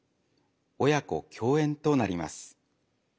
親子共演となります。